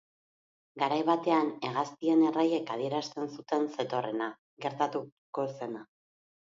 Garai batean hegaztien erraiek adierazten zuten zetorrena, gertatuko zena.